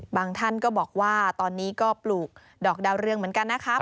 ท่านก็บอกว่าตอนนี้ก็ปลูกดอกดาวเรืองเหมือนกันนะครับ